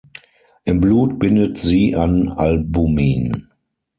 Im Blut bindet sie an Albumin.